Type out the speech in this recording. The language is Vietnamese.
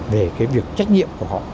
về việc trách nhiệm của họ